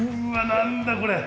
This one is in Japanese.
何だこれ？